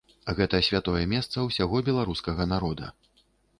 Гэтае святое месца ўсяго беларускага народа.